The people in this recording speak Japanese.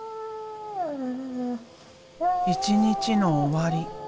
一日の終わり。